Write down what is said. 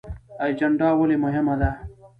اجنډا ولې مهمه ده؟